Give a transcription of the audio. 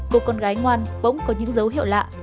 một con gái ngoan bỗng có những dấu hiệu lạ